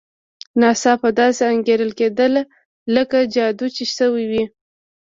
ناڅاپه داسې انګېرل کېده لکه جادو چې شوی وي.